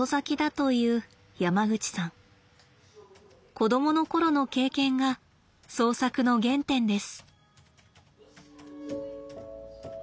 子供の頃の経験が創作の原点です。